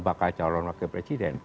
bakal calon wakil presiden